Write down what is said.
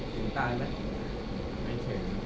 จึงตายไหม